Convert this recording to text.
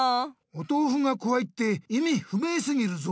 おとうふがこわいって意味不明すぎるぞ。